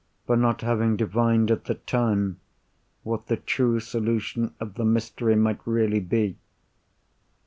—for not having divined at the time what the true solution of the mystery might really be.